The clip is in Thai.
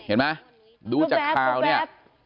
เห็นไหมดูจากข่าวเนี่ย